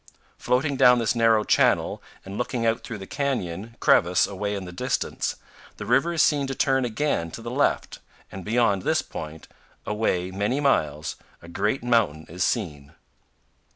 Floating down this narrow channel and looking PROM THE GRAND TO THE LITTLE COLORADO. 227 out through the canyon crevice away in the distance, the river is seen to turn again to the left, and beyond this point, away many miles, a great mountain is seen.